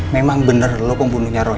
memang bener lo pembunuhnya roy